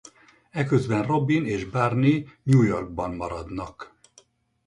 Eközben Robin és Barney New Yorkban maradnak.